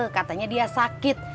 katanya dia sakit